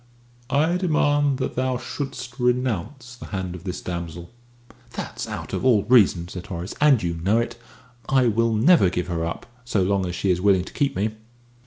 "I demand that thou shouldst renounce the hand of this damsel." "That's out of all reason," said Horace, "and you know it. I will never give her up, so long as she is willing to keep me."